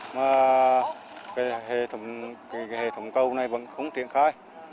mà hệ thống cầu này vẫn không triển khai